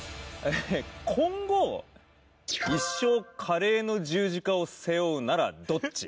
今後一生カレーの十字架を背負うならどっち？